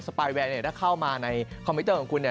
ปายแวร์ถ้าเข้ามาในคอมพิวเตอร์ของคุณเนี่ย